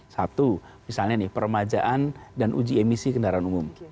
satu misalnya nih peremajaan dan uji emisi kendaraan umum